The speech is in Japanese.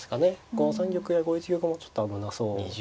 ５三玉や５一玉もちょっと危なそう。